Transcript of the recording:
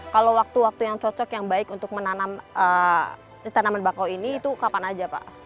kalau waktu waktu yang cocok yang baik untuk menanam tanaman bakau ini itu kapan aja pak